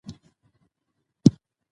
که موږ یو بل ته غوږ شو نو شخړې نه کېږي.